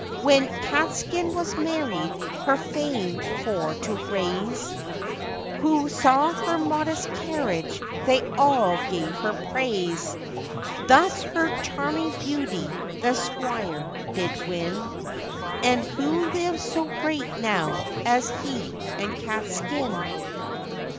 When Catskin was married, her fame for to raise, Who saw her modest carriage they all gave her praise; Thus her charming beauty the squire did win; And who lives so great now as he and Catskin.